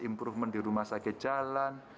improvement di rumah sakit jalan